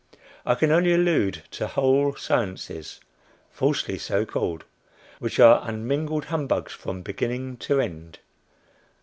I can only allude to whole sciences (falsely so called) which are unmingled humbugs from beginning to end.